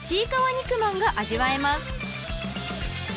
肉まんが味わえます］